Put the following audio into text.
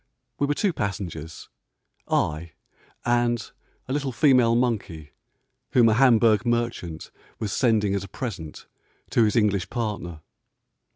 We were two passengers ; I and a little female monkey, whom a Hamburg merchant was sending as a present to his English partner.